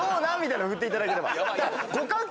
振っていただければ。